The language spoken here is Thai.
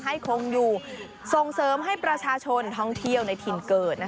ให้คงอยู่ส่งเสริมให้ประชาชนท่องเที่ยวในถิ่นเกิด